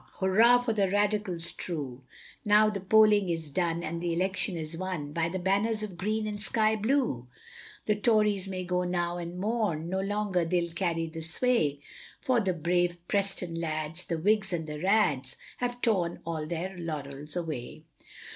Hurrah, for the Radicals true, Now the polling is done, and the election is won By the Banners of Green and Sky blue; The Tories may now go and mourn, No longer they'll carry the sway, For the brave Preston lads, the Whigs and the Rads, Have torn all their laurels away.